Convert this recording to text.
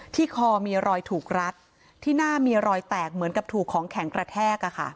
คอมีรอยถูกรัดที่หน้ามีรอยแตกเหมือนกับถูกของแข็งกระแทก